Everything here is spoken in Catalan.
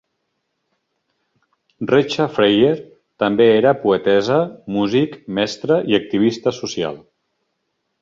Recha Freier era també poetessa, músic, mestra i activista social.